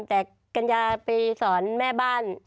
แต่กัญญาไปสอนแม่บ้าน